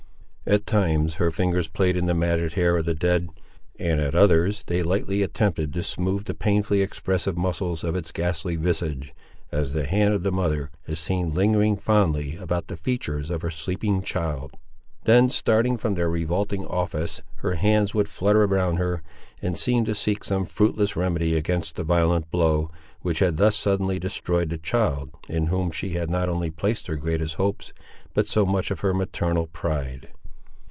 At times her fingers played in the matted hair of the dead, and at others they lightly attempted to smooth the painfully expressive muscles of its ghastly visage, as the hand of the mother is seen lingering fondly about the features of her sleeping child. Then starting from their revolting office, her hands would flutter around her, and seem to seek some fruitless remedy against the violent blow, which had thus suddenly destroyed the child in whom she had not only placed her greatest hopes, but so much of her maternal pride.